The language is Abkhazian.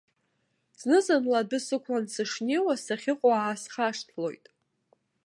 Зны-зынла адәы сықәлан сышнеиуа сахьыҟоу аасхашҭлоит.